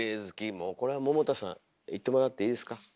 もうこれは百田さんいってもらっていいですか？